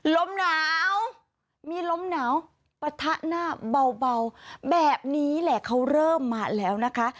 ลมหนาวมีลมหนาวปะทะหน้าเบาแบบนี้แหละเขาเริ่มมาแล้วนะคะ